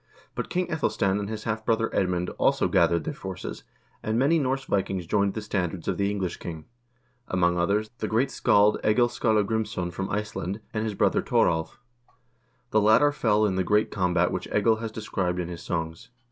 But King .ZEthelstan and his half brother Edmund also gathered their forces, and many Norse Vikings joined the standards of the English king ; among others, the great scald Egil Skallagrimsson from Ice land, and his brother Thoralv.1 The latter fell in the great combat which Egil has described in his songs.